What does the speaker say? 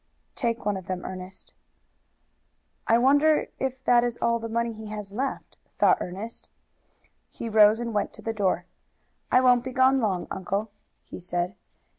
"Take one of them, Ernest." "I wonder if that is all the money he has left?" thought Ernest. He rose and went to the door. "I won't be gone long, uncle," he said.